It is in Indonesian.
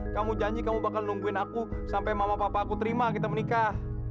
kamu janji kamu bakal nungguin aku sampai mama papa aku terima kita menikah